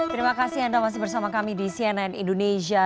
terima kasih anda masih bersama kami di cnn indonesia